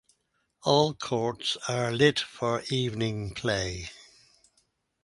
All courts are lit for evening play.